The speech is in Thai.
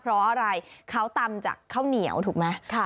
เพราะอะไรเขาตำจากข้าวเหนียวถูกไหม